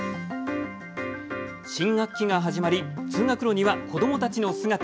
新学期が始まり通学路には子どもたちの姿。